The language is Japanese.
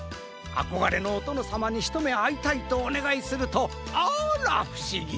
あこがれのおとのさまにひとめあいたいとおねがいするとあらふしぎ！